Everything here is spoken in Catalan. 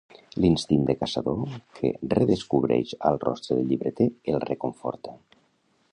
L'instint de caçador que redescobreix al rostre del llibreter el reconforta.